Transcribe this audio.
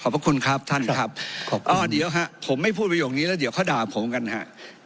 ผมไม่พูดบะโยคนี้แล้วเดี๋ยวเขาด่าผมกันฮะ